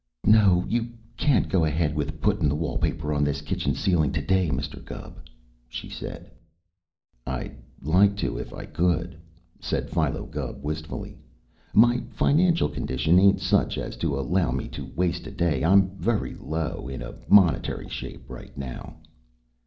"No, you can't go ahead with puttin' the wall paper on this kitchen ceilin' to day, Mr. Gubb," she said. "I'd like to, if I could," said Philo Gubb wistfully. "My financial condition ain't such as to allow me to waste a day. I'm very low in a monetary shape, right now."